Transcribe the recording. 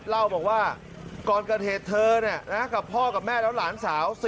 เล่าบอกว่าก่อนเกิดเหตุเธอกับพ่อกับแม่แล้วหลานสาว